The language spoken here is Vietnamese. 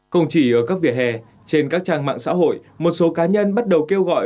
không chỉ ở các vỉa hè trên các trang mạng xã hội một số cá nhân bắt đầu kêu gọi